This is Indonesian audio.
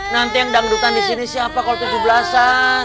nanti yang udah ngedukkan di sini siapa kalau tujuh belasan